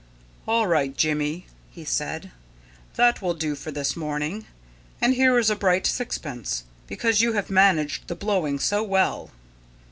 "All right, Jimmy," he said; "that will do for this morning. And here is a bright sixpence, because you have managed the blowing so well.